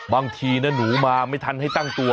บางทีนะหนูมาไม่ทันให้ตั้งตัว